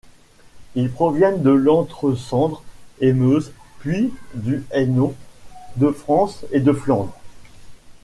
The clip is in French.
Ils proviennent de l’Entre-Sambre-et-Meuse, puis du Hainaut, de France et de Flandre.